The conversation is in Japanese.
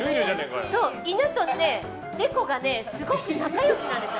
犬とネコがすごく仲良しなんですよ。